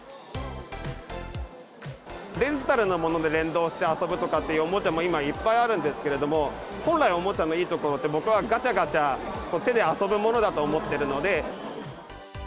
デジタルのもので連動して遊ぶとかっておもちゃも今、いっぱいあるんですけれども、本来、おもちゃのいいところって、僕はがちゃがちゃ手で遊ぶものだと思ってるので。